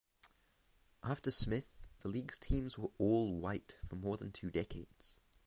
After Smith, the league's teams were all-white for more than two decades.